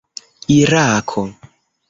irako